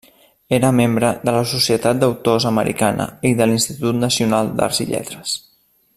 Era membre de la Societat d'Autors Americana i de l'Institut Nacional d'Arts i Lletres.